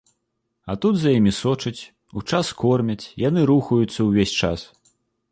А тут за імі сочаць, у час кормяць, яны рухаюцца ўвесь час.